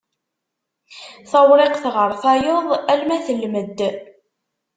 Tawriqt ɣer tayeḍ alma tellem-d.